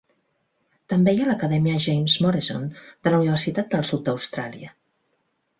També hi ha l'Acadèmia James Morrison de la Universitat del Sud d'Austràlia.